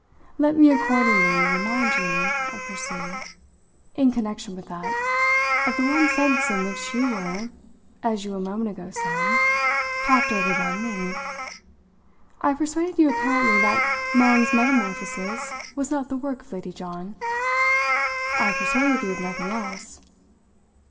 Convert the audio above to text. Let me accordingly remind you," I pursued, "in connection with that, of the one sense in which you were, as you a moment ago said, talked over by me. I persuaded you apparently that Long's metamorphosis was not the work of Lady John. I persuaded you of nothing else."